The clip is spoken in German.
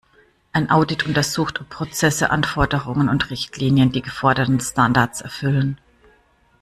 Ein Audit untersucht, ob Prozesse, Anforderungen und Richtlinien die geforderten Standards erfüllen.